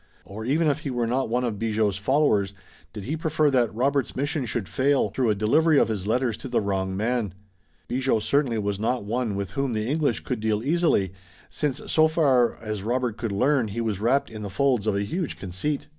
_ Or, even if he were not one of Bigot's followers, did he prefer that Robert's mission should fail through a delivery of his letters to the wrong man? Bigot certainly was not one with whom the English could deal easily, since so far as Robert could learn he was wrapped in the folds of a huge conceit.